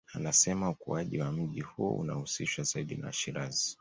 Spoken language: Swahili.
Anasema ukuaji wa mji huo unahusishwa zaidi na Washirazi